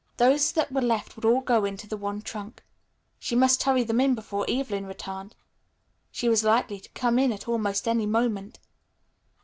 Those that were left would all go into the one trunk. She must hurry them in before Evelyn returned. She was likely to come in at almost any moment.